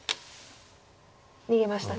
逃げましたね。